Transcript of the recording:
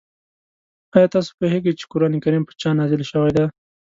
آیا تاسو پوهېږئ چې قرآن کریم په چا نازل شوی دی؟